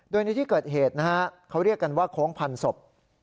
โดยในที่เกิดเหตุนะฮะเขาเรียกกันว่าโค้งพันศพ